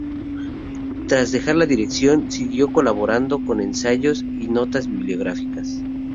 Tras dejar la dirección, siguió colaborando con ensayos y notas bibliográficas.